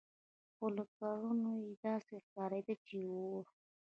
خو له کړنو يې داسې ښکارېده چې اوري.